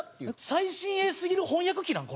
最新鋭すぎる翻訳機なん？